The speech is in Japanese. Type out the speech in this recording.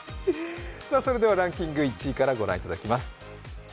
それではランキング１位からご覧いただきます。